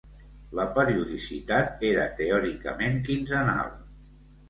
La periodicitat era teòricament quinzenal.